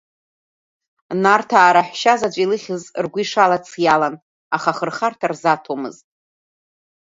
Нарҭаа раҳәшьа заҵә илыхьыз ргәы ишалац иалан, аха ахырхарҭа рзаҭомызт.